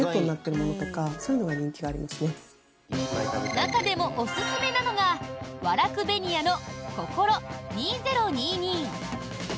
中でもおすすめなのが和楽紅屋のココロ２０２２。